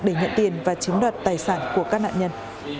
để nhận tiền và chiếm đoạt tài sản của các nạn nhân